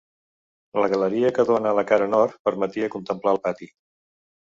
La galeria que dóna a la cara nord permetia contemplar el pati.